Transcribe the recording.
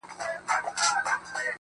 ه بيا دي په سرو سترگو کي زما ياري ده,